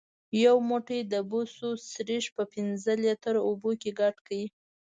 یو موټی د بوسو سريښ په پنځه لیتره اوبو کې ګډ کړئ.